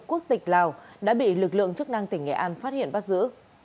quốc tịch lào đã bị lực lượng chức năng tỉnh nghệ an phát hiện bắt giữ